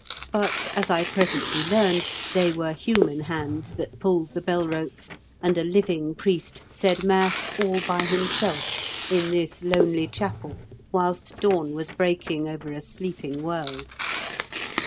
But, as I presently learned, they were human hands that pulled the bell rope, and a living priest said mass all by himself in this lonely chapel whilst dawn was breaking over a sleeping world.